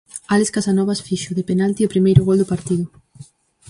Álex Casanovas fixo, de penalti, o primeiro gol do partido.